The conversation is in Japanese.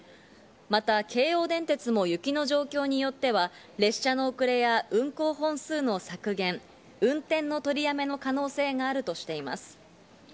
また、京王電鉄も雪の状況によっては列車の遅れや運行本数の削減、運転の取りやめの可能性があるとしています。